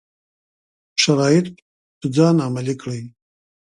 شرایط په ځان عملي کړي.